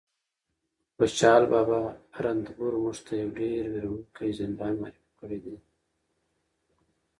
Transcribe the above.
خوشحال بابا رنتنبور موږ ته یو ډېر وېروونکی زندان معرفي کړی دی